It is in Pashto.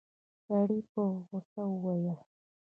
سړي په غوسه وويل.